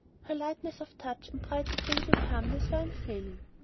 Her lightness of touch and bright, equable calmness were unfailing.